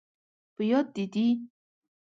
په یاد، دې دي؟